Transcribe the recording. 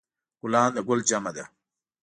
ګلان د ګل جمع ده